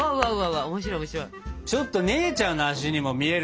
ちょっと姉ちゃんの足にも見える。